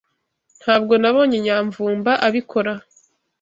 Ntabwo nabonye Nyamvumba abikora.